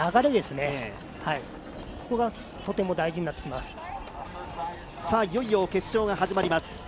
いよいよ決勝が始まります。